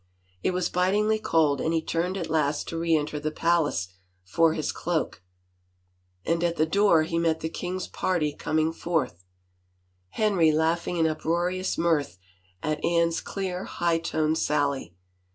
It was bitingly cold and he turned at last to reenter the palace for his cloak, and at the door he met the king's party coming forth, Henry laughing in uproarious mirth at Anne's clear, high toned sally.